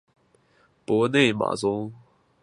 博内马宗。